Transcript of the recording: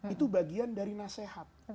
itu bagian dari nasihat